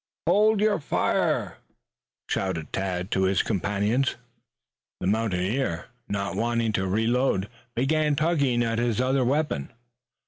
"Hold your fire!" shouted Tad to his companions. The mountaineer, not waiting to reload, began tugging at his other weapon.